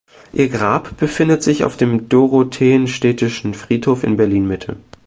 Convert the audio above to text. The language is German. Ihr Grab befindet sich auf dem Dorotheenstädtischen Friedhof in Berlin-Mitte.